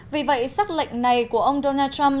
vì vậy sắc lệnh này của ông donald trump